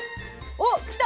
おっ来た！